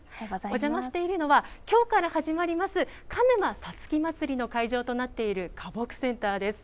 お邪魔しているのは、きょうから始まります、鹿沼さつき祭りの会場となっている花木センターです。